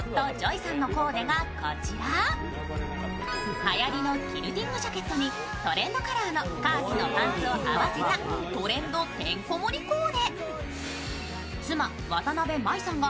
はやりのキルティングジャケットにトレンドカラーのカーキのパンツを合わせたトレンドてんこ盛りコーデ。